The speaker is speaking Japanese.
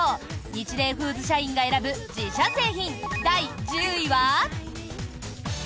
ニチレイフーズ社員が選ぶ自社製品、第１０位は。